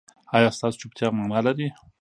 ایا ستاسو چوپتیا معنی لري؟